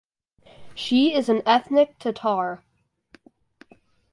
She is an ethnic Tatar.